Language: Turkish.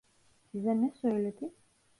Size ne söyledi?